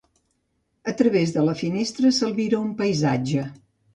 A través de la finestra, s'albira un paisatge.